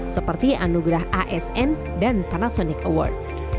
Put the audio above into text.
seperti anugerah asn dan parasonic award